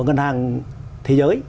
ngân hàng thế giới